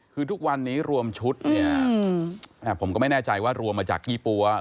คือทุกวันนี้รวมชุดเนี่ยผมก็ไม่แน่ใจว่ารวมมาจากยี่ปั๊ว